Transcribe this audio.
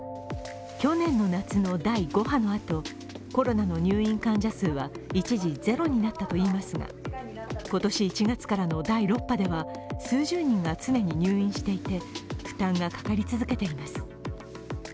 去年の夏の第５波のあとコロナの入院患者数は一時ゼロになったといいますが今年１月からの第６波では数十人が常に入院していて、負担がかかり続けています。